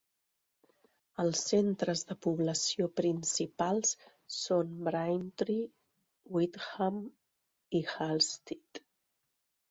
Els centres de població principals són Braintree, Witham i Halstead.